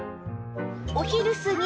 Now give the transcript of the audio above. お昼過ぎ